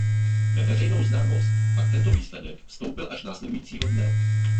Ve veřejnou známost pak tento výsledek vstoupil až následujícího dne.